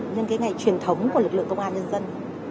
nhân cái ngày truyền thống của lực lượng công an nhân dân